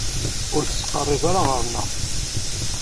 Ur d-ttqerrib ara ɣer-neɣ.